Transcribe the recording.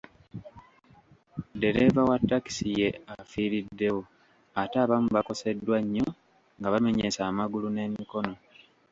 Ddereeva wa takisi ye afiiriddewo ate abamu bakoseddwa nnyo nga bamenyese amagulu n'emikono .